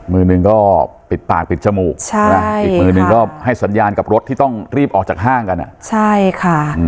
มือหนึ่งก็ปิดปากปิดจมูกอีกมือหนึ่งก็ให้สัญญาณกับรถที่ต้องรีบออกจากห้างกันอ่ะใช่ค่ะ